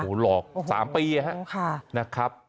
โอ้โหหลอกสามปีอะครับโอ้โหค่ะนะครับ